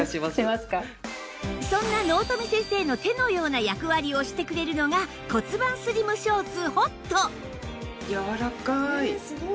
そんな納富先生の手のような役割をしてくれるのが骨盤スリムショーツ ＨＯＴねえすごい。